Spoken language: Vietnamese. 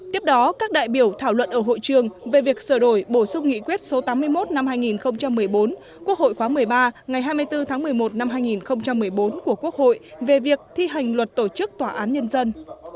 tiếp đó các đại biểu thảo luận ở hội trường về việc sửa đổi bổ sung nghị quyết số tám mươi một năm hai nghìn một mươi bốn quốc hội khóa một mươi ba ngày hai mươi bốn tháng một mươi một năm hai nghìn một mươi bốn của quốc hội về việc thi hành luật tổ chức tòa án nhân dân